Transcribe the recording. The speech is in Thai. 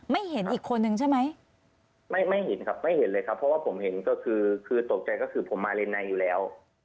ไม่เห็นอีกคนนึงใช่ไหมไม่ไม่เห็นครับไม่เห็นเลยครับเพราะว่าผมเห็นก็คือคือตกใจก็คือผมมาเลนในอยู่แล้ว